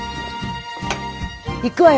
行くわよ